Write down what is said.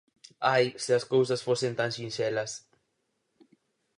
Ai, se as cousas fosen tan sinxelas!